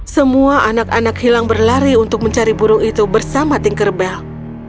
semua anak anak hilang berlari untuk mencari burung itu bersama tinker belt